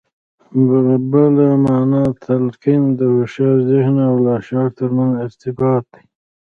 په بله مانا تلقين د هوښيار ذهن او لاشعور ترمنځ ارتباط دی.